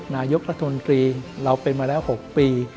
นายกรัฐมนตรีเราเป็นมาแล้ว๖ปี